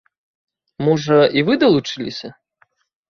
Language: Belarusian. Можа, і вы далучыліся?